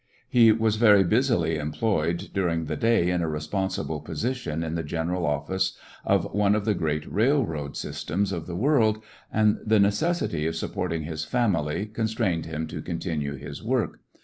He was very busily employed during the day in a responsible position in the general office of 2 K^/lissionarY in tge Great West one of the great railroad systems of the world, and the necessity of supporting his family constrained him to continue his work.